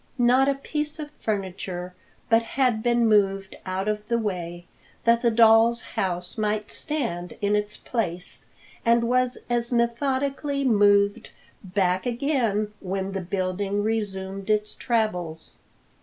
Not a piece of furniture but had been moved out of the way that the doll's house might stand in its place, and was as methodically moved back again when the building resumed its travels.